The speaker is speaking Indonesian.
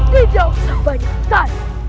tidak usah banyak tanya